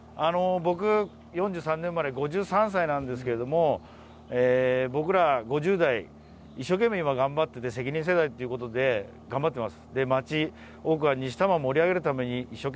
僕４３年生まれ５３歳なんですけど、僕ら５０代一生懸命頑張って責任世代ということで頑張っています。